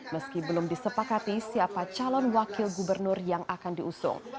meski belum disepakati siapa calon wakil gubernur yang akan diusung